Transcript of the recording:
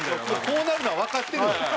こうなるのはわかってる。